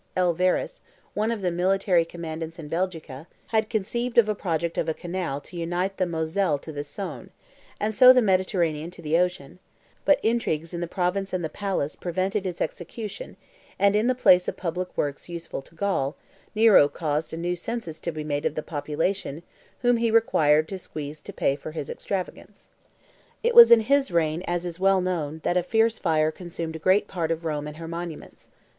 L. Verus, one of the military commandants in Belgica, had conceived a project of a canal to unite the Moselle to the Saone, and so the Mediterranean to the ocean; but intrigues in the province and the palace prevented its execution, and in the place of public works useful to Gaul, Nero caused a new census to be made of the population whom he required to squeeze to pay for his extravagance. It was in his reign, as is well known, that a fierce fire consumed a great part of Rome and her monuments.